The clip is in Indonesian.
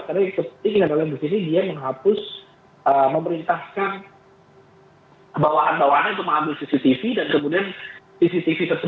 karena yang pasti di dalam disini dia menghapus memerintahkan bawahan bawahannya pemahami cctv dan kemudian